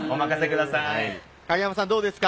影山さん、どうですか？